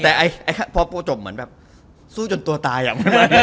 แต่พอโปรจบเหมือนแบบสู้จนตัวตายอะ